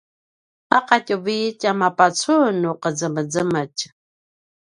a qatjuvi tjamapacun nu qezemezemetj